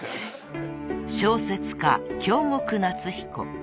［小説家京極夏彦］